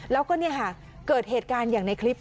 แล้วก็เกิดเหตุการณ์อย่างในคลิป